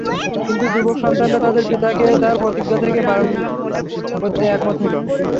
কিন্তু যুবক সন্তানরা তাদের পিতাকে তাঁর প্রতিজ্ঞা থেকে বারণ করতে একমত হল।